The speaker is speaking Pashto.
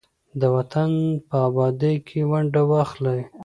د وطن په ابادۍ کې ونډه واخلئ.